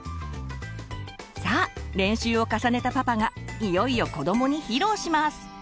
さあ練習を重ねたパパがいよいよ子どもに披露します。